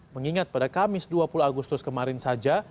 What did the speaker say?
mengingat pada kamis dua puluh agustus kemarin saja